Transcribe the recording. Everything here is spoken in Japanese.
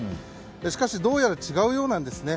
しかしどうやら違うようなんです。